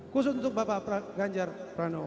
khusus untuk bapak ganjar pranowo